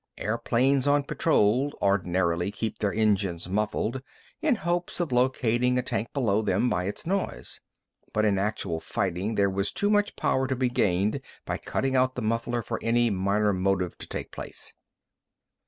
Airplanes on patrol ordinarily kept their engines muffled, in hopes of locating a tank below them by its noise. But in actual fighting there was too much power to be gained by cutting out the muffler for any minor motive to take effect.